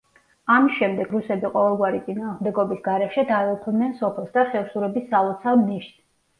ამის შემდეგ რუსები ყოველგვარი წინააღმდეგობის გარეშე დაეუფლნენ სოფელს და ხევსურების სალოცავ ნიშს.